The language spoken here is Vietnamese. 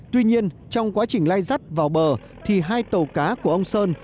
tuy nhiên trong quá trình lai dắt vào bờ thì hai tàu cá của ông sơn